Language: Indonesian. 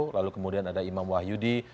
lalu kemudian ada imam wahyudi